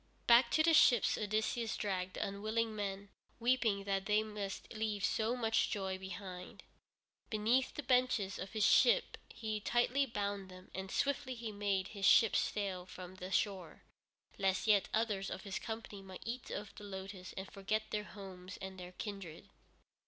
Back to the ships Odysseus dragged the unwilling men, weeping that they must leave so much joy behind. Beneath the benches of his ship he tightly bound them, and swiftly he made his ships sail from the shore, lest yet others of his company might eat of the lotus and forget their homes and their kindred.